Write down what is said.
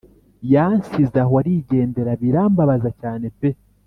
Yansize aho arigendera birambabaza cyane pe